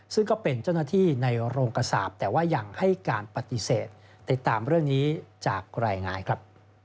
ซึ่งก็เป็นเจ้าหน้าที่ในโรงกระสาปแต่ว่ายังให้การปฏิเสธติดตามเรื่องนี้จากรายงานครับ